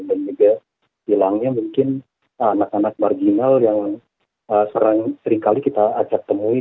dan juga bilangnya mungkin anak anak marginal yang seringkali kita ajak temui